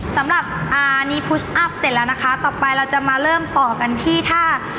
สำหรับอ่านีพุชอัพเสร็จแล้วนะคะต่อไปเราจะมาเริ่มต่อกันที่ท่า